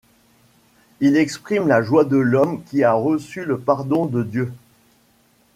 Il exprime la joie de l'homme qui a reçu le pardon de Dieu.